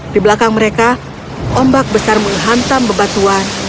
di belakang mereka ombak besar menghantam bebatuan